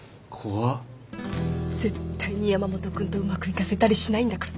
絶対に山本君とうまくいかせたりしないんだから。